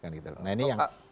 nah ini yang